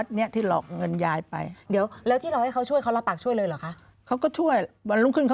เดี๋ยวนะเจอกันทั้งแรกเขารับปากช่วยเลยหรือ